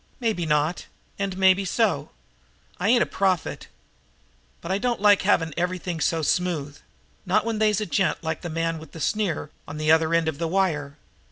"Maybe not, and maybe so. I ain't a prophet, but I don't like having everything so smooth not when they's a gent like the man with the sneer on the other end of the wire.